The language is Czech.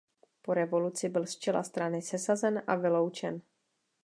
Po revoluci byl z čela strany sesazen a vyloučen.